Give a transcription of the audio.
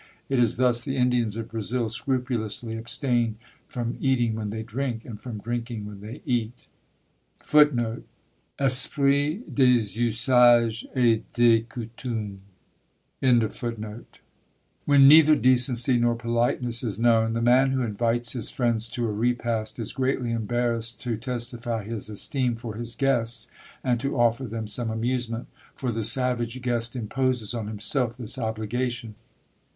It is thus the Indians of Brazil scrupulously abstain from eating when they drink, and from drinking when they eat. When neither decency nor politeness is known, the man who invites his friends to a repast is greatly embarrassed to testify his esteem for his guests, and to offer them some amusement; for the savage guest imposes on himself this obligation.